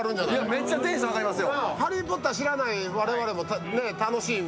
めっちゃテンション上がりますよ。